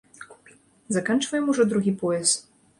Заканчваем ужо другі пояс.